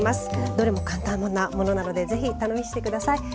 どれも簡単なものなのでぜひ試して下さい。